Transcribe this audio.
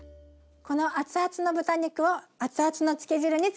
この熱々の豚肉を熱々の漬け汁に漬け込みます。